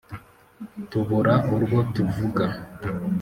Tubura urwo tuvuga